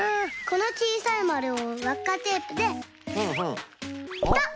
このちいさいまるをわっかテープでピタッ！